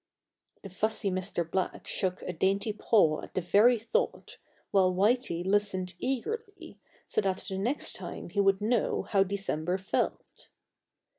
The fussy Mr. Black shook a dainty paw at the very thought, while Whitey listened eagerly, so that the next time he would know how December felt.